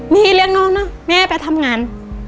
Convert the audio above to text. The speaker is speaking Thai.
มีเลี้ยงน้องนะแม่ไปทำงาน